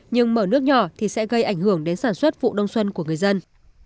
nhưng mở nước nhỏ thì sẽ gây ảnh hưởng đến sản xuất vụ đông xuân của người dân